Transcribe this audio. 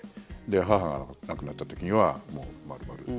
母が亡くなった時にはもう丸々。